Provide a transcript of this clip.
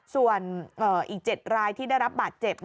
ส่วนอีก๗รายที่ได้รับบาดเจ็บ